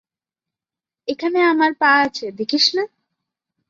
এখানে আমার পা আছে দেখিস না।